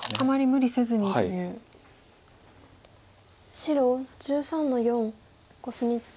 白１３の四コスミツケ。